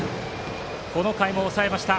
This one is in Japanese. この回も抑えました。